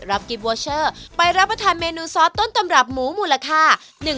กิโบเชอร์ไปรับประทานเมนูซอสต้นตำรับหมูมูลค่า